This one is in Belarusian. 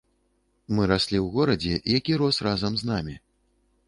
Мы раслі ў горадзе, які рос разам з намі.